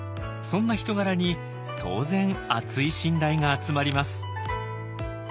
そんな人柄に当然厚い信頼が集まります。